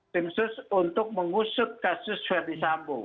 tim sus untuk mengusut kasus ferdis sambu